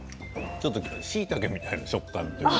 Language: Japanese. ちょっとしいたけみたいな食感というか。